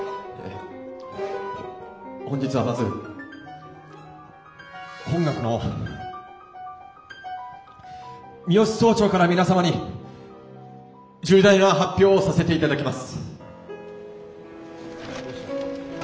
本日はまず本学の三芳総長から皆様に重大な発表をさせていただきます。